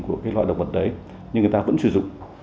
của cái loại động vật đấy nhưng người ta vẫn sử dụng